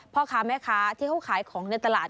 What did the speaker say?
พ่อค้าแม่ค้าที่เขาขายของในตลาด